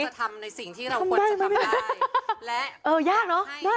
ทำได้ไหมไม่ได้